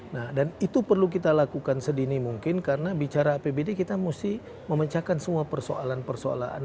nah dan itu perlu kita lakukan sedini mungkin karena bicara apbd kita mesti memecahkan semua persoalan persoalan